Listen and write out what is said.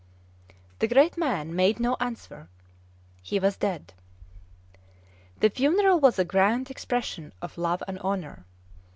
The great man made no answer; he was dead. The funeral was a grand expression of love and honor.